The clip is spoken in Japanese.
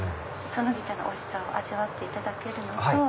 そのぎ茶のおいしさを味わっていただける。